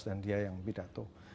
dan dia yang pidato